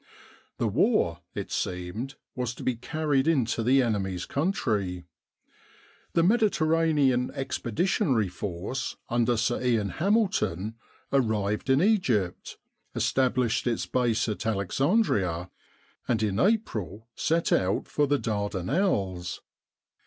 The war, it seemed, was to be carried into the enemy's country. The Mediterranean Ex peditionary Force under Sir Ian Hamilton arrived in Egypt, established its base at Alexandria, and in April set out for the Dardanelles.